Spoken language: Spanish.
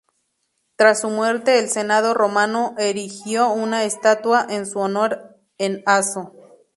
Tras su muerte, el senado romano erigió una estatua en su honor en Aso.